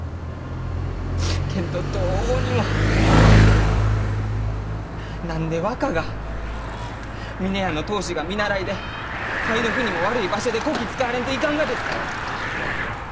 けんどどうにも何で若が峰屋の当主が見習いで肺の腑にも悪い場所でこき使われんといかんがですか！